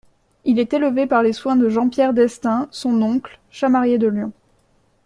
Il est élevé par les soins de Jean-Pierre d'Estaing, son oncle, chamarier de Lyon.